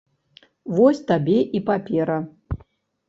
Вось табе і папера.